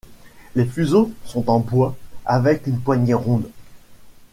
Les fuseaux sont en bois, avec une poignée ronde.